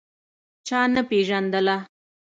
چا نه پېژندله.